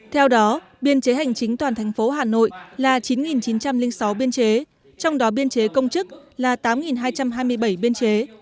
theo đó biên chế hành chính toàn thành phố hà nội là chín chín trăm linh sáu biên chế trong đó biên chế công chức là tám hai trăm hai mươi bảy biên chế